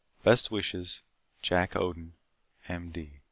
Best wishes, Jack Odin, M.